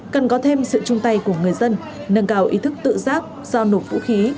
cần có thêm sự chung tay của người dân nâng cao ý thức tự giác giao nộp vũ khí